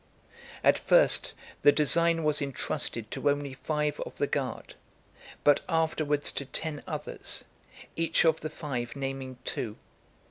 At first the design was entrusted to only five of the guard, but afterwards to ten others, each of the five naming two.